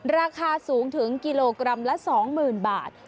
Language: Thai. ราคาสูงถึงกิโลกรัมละ๒๐๐๐บาท